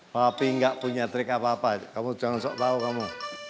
papi ga punya trik apa apa kamu jangan sok tau kamu